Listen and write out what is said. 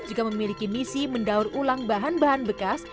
juga memiliki misi mendaur ulang bahan bahan bekas